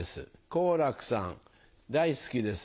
「好楽さん大好きです。